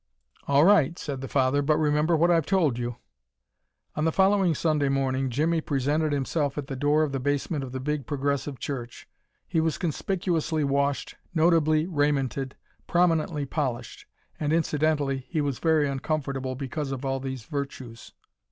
"All right," said the father. "But remember what I've told you." On the following Sunday morning Jimmie presented himself at the door of the basement of the Big Progressive church. He was conspicuously washed, notably raimented, prominently polished. And, incidentally, he was very uncomfortable because of all these virtues.